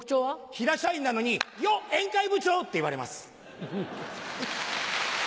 平社員なのに「よっ宴会部長！」って言われます。